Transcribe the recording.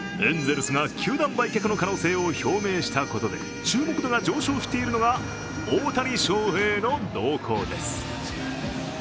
エンゼルスが球団売却の可能性を表明したことで注目度が上昇しているのが大谷翔平の動向です。